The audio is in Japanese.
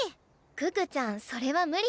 可可ちゃんそれは無理。